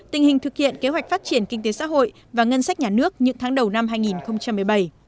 tình hình thực hiện kế hoạch phát triển kinh tế xã hội và ngân sách nhà nước những tháng đầu năm hai nghìn một mươi bảy